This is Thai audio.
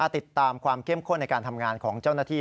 ติดตามความเข้มข้นในการทำงานของเจ้าหน้าที่